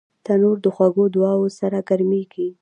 تنور د خوږو دعاوو سره ګرمېږي